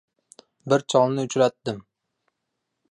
Bir cholni uchratdim